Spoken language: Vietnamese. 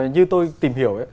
như tôi tìm hiểu